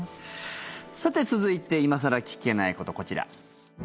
さて、続いて今更聞けないこと、こちら。